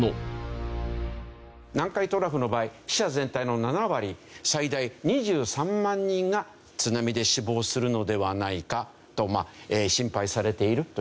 南海トラフの場合死者全体の７割最大２３万人が津波で死亡するのではないかと心配されているという事なんですね。